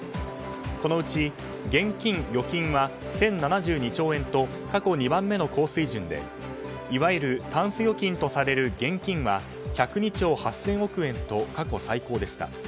このうち現金・預金は１０７２兆円と過去２番目の高水準でいわゆるタンス預金とされる現金は１０２兆８０００億円と過去最高でした。